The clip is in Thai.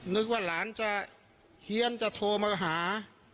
นึกว่าหลานจะเฮียนจะโทรมาหา